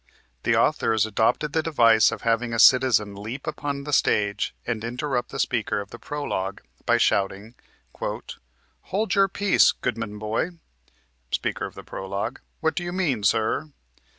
The authors adopted the device of having a Citizen leap upon the stage and interrupt the Speaker of the Prolog by shouting "Hold your peace, goodman boy!" Speaker of Prolog: "What do you mean, sir?"